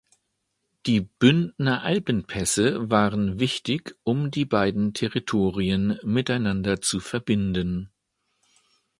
Die Bündner Alpenpässe waren wichtig um die beiden Territorien miteinander zu verbinden.